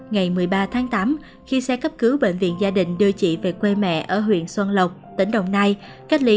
ngày một mươi ba tháng tám khi xe cấp cứu bệnh viện gia đình đưa chị về quê mẹ ở huyện xuân lộc tỉnh đồng nai cách ly